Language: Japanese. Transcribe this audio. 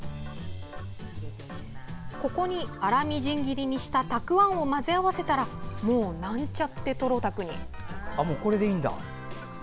ここに粗みじん切りにしたたくあんを混ぜ合わせたらもう、なんちゃってトロたくに。